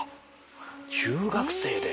中学生で。